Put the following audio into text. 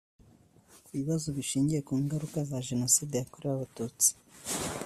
ku bibazo bishingiye ku ngaruka za jenoside yakorewe abatutsi